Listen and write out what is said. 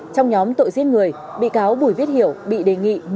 trong nhóm tội giết người bị cáo bùi viết hiểu bị đề nghị một mươi sáu một mươi tám năm tù